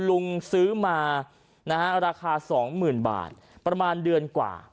ลุงซื้อมานะฮะราคา๒๐๐๐บาทประมาณเดือนกว่า